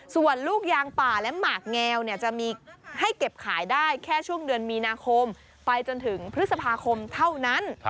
ส่วนลูกยางป่าและหมากแงวจะมีให้เก็บขายได้แค่ช่วงเดือนมีนาคมไปจนถึงพฤษภาคมเท่านั้น